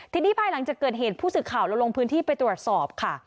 ทีนี้ภายหลังจากเกิดเหตุผู้สื่อข่าวเราลงพื้นที่ไปตรวจสอบค่ะ